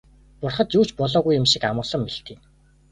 Бурхад юу ч болоогүй юм шиг амгалан мэлтийнэ.